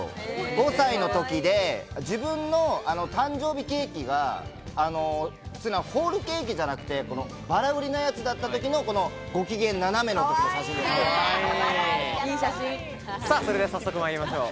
５歳のときで自分の誕生日ケーキが、ホールケーキじゃなくて、ばら売りのやつだった時のご機嫌斜めのそれでは早速参りましょう。